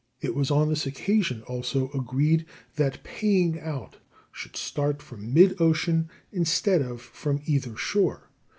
It was on this occasion also agreed that paying out should start from mid ocean instead of from either shore.